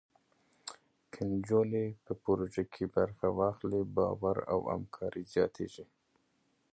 که نجونې په پروژو کې برخه واخلي، باور او همکاري زیاتېږي.